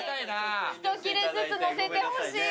一切れずつ載せてほしい。